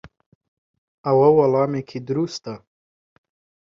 ئەوە وەڵامێکی دروستە.